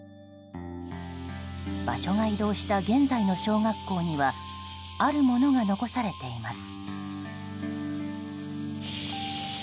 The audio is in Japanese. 場所が移動した現在の小学校にはあるものが残されています。